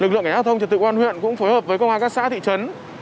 lực lượng cảnh giao thông trật tự quan huyện cũng phối hợp với công an các xã thị trấn